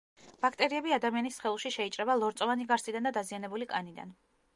ბაქტერიები ადამიანის სხეულში შეიჭრება ლორწოვანი გარსიდან და დაზიანებული კანიდან.